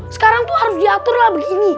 sekarang tuh harus diatur lah begini